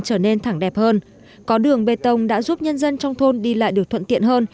trở nên thẳng đẹp hơn có đường bê tông đã giúp nhân dân trong thôn đi lại được thuận tiện hơn